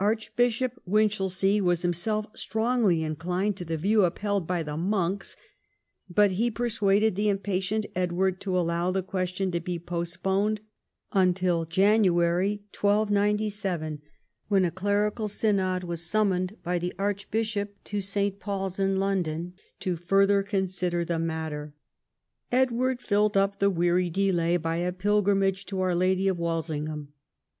Archbishop Winchelsea Avas him self strongly inclined to the view upheld by the monks, but he 2^ersuaded the impatient Edward to allow the question to be postponed until January 1297, when a clerical synod was summoned by the Archbishop to St. Paul's in London to further consider the matter. Edward filled up the Avcary delay by a pilgrimage to Our Lady of Walsingham.